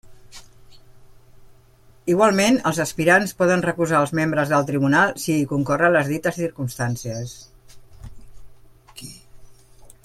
Igualment, els aspirants poden recusar els membres del tribunal si hi concorren les dites circumstàncies.